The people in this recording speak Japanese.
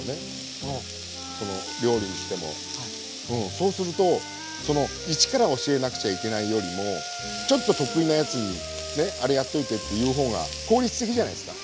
そうするとその一から教えなくちゃいけないよりもちょっと得意なやつにねあれやっといてって言う方が効率的じゃないですか。